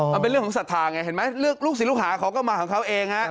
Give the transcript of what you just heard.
มันเป็นเรื่องของศรัทธาไงเห็นไหมลูกศิษย์ลูกหาเขาก็มาของเขาเองฮะ